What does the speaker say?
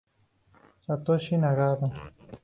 Satoshi Nagano